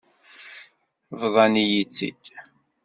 Bḍan-iyi-tt-id.